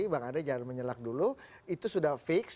bang ade jangan menyalak dulu itu sudah fix